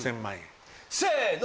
せの！